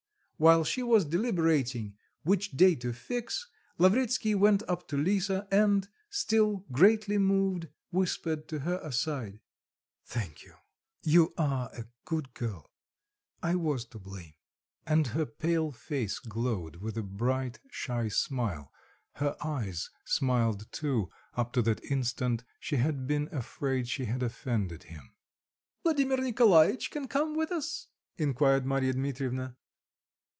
While she was deliberating which day to fix, Lavretsky went up to Lisa, and, still greatly moved, whispered to her aside: "Thank you, you are a good girl; I was to blame." And her pale face glowed with a bright, shy smile; her eyes smiled too up to that instant she had been afraid she had offended him. "Vladimir Nikolaitch can come with us?" inquired Marya Dmitrievna.